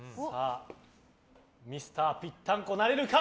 ミスターぴったんこ、なれるか。